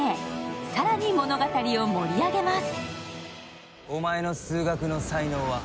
更に物語を盛り上げます。